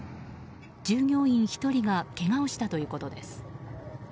従業員１人がけがをしたということです。